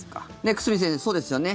久住先生、そうですよね。